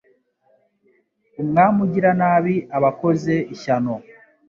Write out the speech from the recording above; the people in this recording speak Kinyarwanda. Umwami ugira nabi aba akoze ishyano